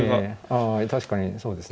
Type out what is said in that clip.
ああ確かにそうですね。